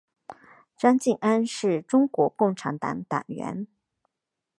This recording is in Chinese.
张敬安是中国共产党党员。